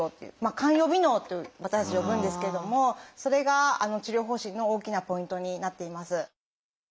「肝予備能」って私たち呼ぶんですけどもそれが治療方針の大きなポイントになっています。